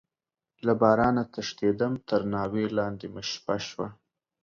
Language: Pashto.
له بارانه تښتيدم، تر ناوې لاندې مې شپه شوه.